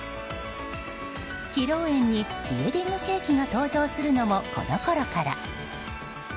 披露宴にウェディングケーキが登場するのも、このころから。